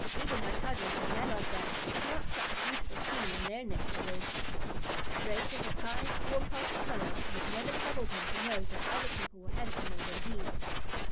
"Even my cousins, the Mallard Ducks, have not such a beautiful sheen on their neck feathers." The Drake was a kind, warm hearted fellow, and it never troubled him to know that other people were handsomer than he.